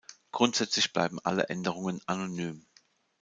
Grundsätzlich bleiben alle Änderungen anonym.